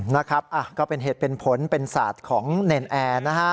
นะครับก็เป็นเหตุเป็นผลเป็นศาสตร์ของเนรนแอร์นะฮะ